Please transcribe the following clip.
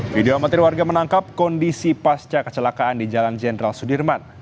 video amatir warga menangkap kondisi pasca kecelakaan di jalan jenderal sudirman